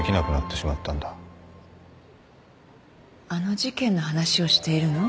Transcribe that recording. あの事件の話をしているの？